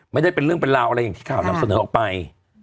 ไม่ได้เป็นเรื่องเป็นราวอะไรอย่างที่ข่าวนำเสนอออกไป